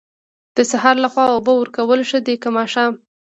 د سهار لخوا اوبه ورکول ښه دي که ماښام؟